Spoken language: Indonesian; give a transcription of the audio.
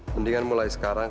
mendingan mulai sekarang